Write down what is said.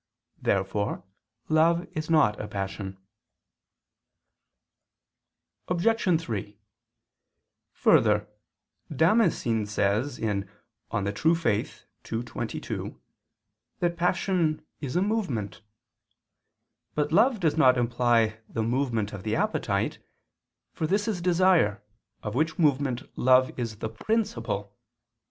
Therefore love is not a passion. Obj. 3: Further, Damascene says (De Fide Orth. ii, 22) that passion is a movement. But love does not imply the movement of the appetite; for this is desire, of which movement love is the principle.